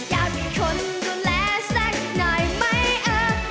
อยากมีคนดูแลสักหน่อยไหมเออ